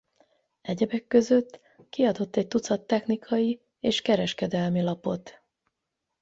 Egyebek között kiadott egy tucat technikai és kereskedelmi lapot.